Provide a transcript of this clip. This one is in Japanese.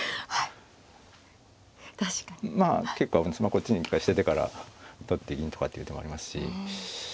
こっちに一回捨ててから取って銀とかっていう手もありますし。